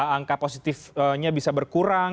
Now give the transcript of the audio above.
angka positifnya bisa berkurang